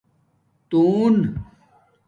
تُݸن